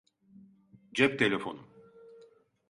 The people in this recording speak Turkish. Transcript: Cep telefonum.